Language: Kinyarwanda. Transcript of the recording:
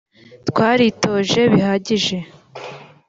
Twaritoje bihagije